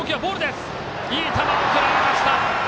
いい球、送られました！